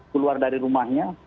keluar dari rumahnya